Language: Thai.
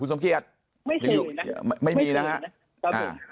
นี่อยู่ไม่มีนะฮะ